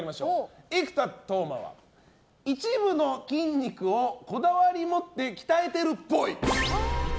生田斗真は一部の筋肉をこだわり持って鍛えてるっぽい。